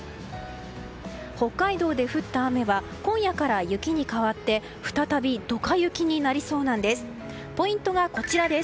北海道で降った雨は今夜から雪に変わって再びドカ雪になりそうなんです。